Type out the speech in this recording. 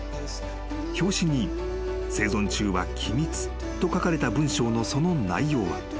［表紙に「生存中は機密」と書かれた文章のその内容は］